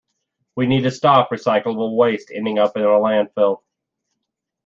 We need to stop recyclable waste ending up in a landfill.